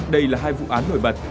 đây là hai vụ án nổi bật